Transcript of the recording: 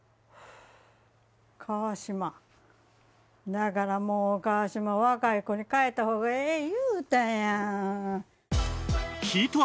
だからもう河島若い子に代えた方がええ言うたやん！